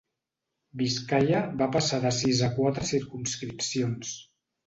Biscaia va passar de sis a quatre circumscripcions.